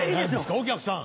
お客さん。